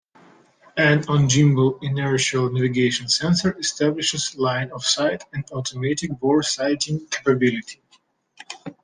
An on-gimbal inertial navigation sensor establishes line-of-sight and automatic boresighting capability.